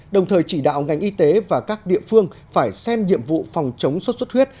đồng thời chỉ đạo ngành y tế và các địa phương phải xem nhiệm vụ phòng chống sốt xuất huyết